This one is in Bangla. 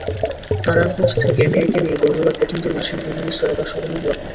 নারায়ণগঞ্জ থেকে মেয়েকে নিয়ে বইমেলার প্রথম দিনে আসেন গৃহিণী সৈয়দা শবনম রহমান।